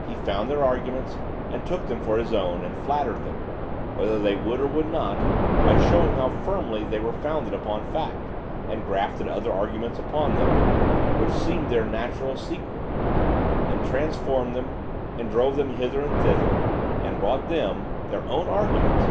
He found their arguments, and took them for his own, and flattered them, whether they would or would not, by showing how firmly they were founded upon fact; and grafted other arguments upon them, which seemed their natural sequelae; and transformed them, and drove them hither and thither; and brought them their own arguments!